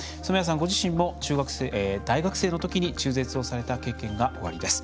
ご自身も大学生のときに中絶をされた経験がおありです。